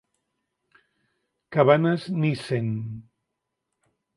cabanes nissen.